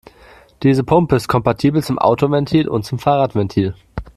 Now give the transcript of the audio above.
Diese Pumpe ist kompatibel zum Autoventil und zum Fahrradventil.